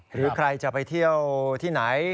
หรือใครจะไปเที่ยวที่ไหน